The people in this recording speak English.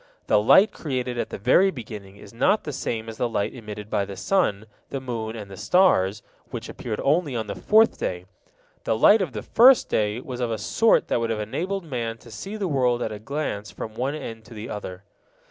The light created at the very beginning is not the same as the light emitted by the sun, the moon, and the stars, which appeared only on the fourth day. The light of the first day was of a sort that would have enabled man to see the world at a glance from one end to the other.